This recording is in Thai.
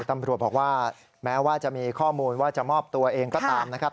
ตำรวจบอกว่าแม้ว่าจะมีข้อมูลว่าจะมอบตัวเองก็ตามนะครับ